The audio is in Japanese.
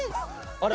あれ？